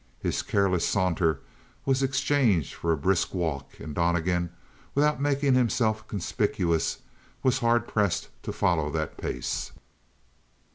His careless saunter was exchanged for a brisk walk; and Donnegan, without making himself conspicuous, was hard pressed to follow that pace.